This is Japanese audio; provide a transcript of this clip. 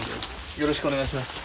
よろしくお願いします。